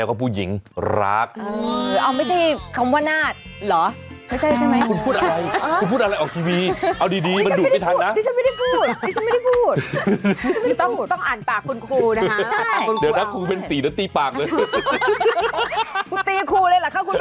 คุณตีครูเลยแหละค่ะคุณเป็นผอแหละค่ะ